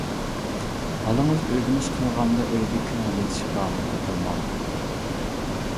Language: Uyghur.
بالىڭىز ئۆگىنىش قىلغاندا ئۆيدە كۆڭۈل ئېچىش پائالىيىتى قىلماڭ.